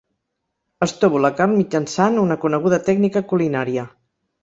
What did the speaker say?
Estovo la carn mitjançant una coneguda tècnica culinària.